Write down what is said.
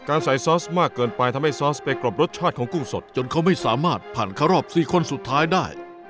ใส่ซอสมากเกินไปทำให้ซอสไปกรบรสชาติของกุ้งสดจนเขาไม่สามารถผ่านเข้ารอบ๔คนสุดท้ายได้